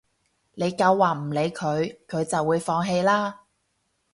你夠話唔理佢，佢就會放棄啦